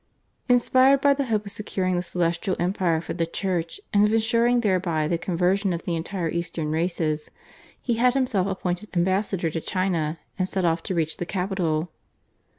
Inspired by the hope of securing the Celestial Empire for the Church, and of ensuring thereby the conversion of the entire Eastern races, he had himself appointed ambassador to China and set off to reach the capital.